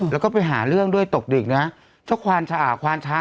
แล้วก็ไปหาเรื่องด้วยตกดึกนะเจ้าควานช้าง